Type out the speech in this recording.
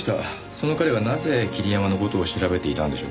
その彼がなぜ桐山の事を調べていたんでしょうか？